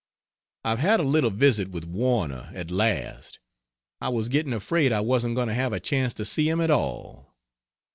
I've had a little visit with Warner at last; I was getting afraid I wasn't going to have a chance to see him at all.